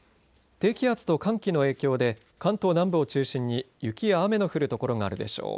低気圧と寒気の影響で関東南部を中心に雪や雨の降る所があるでしょう。